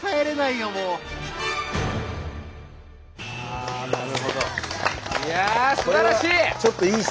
いやあすばらしい！